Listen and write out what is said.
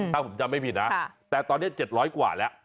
ถ้าผมจำไม่ผิดนะแต่ตอนนี้๗๐๐กว่าแล้ว